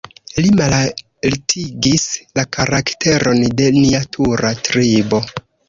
Li malaltigis la karakteron de nia tuta tribo.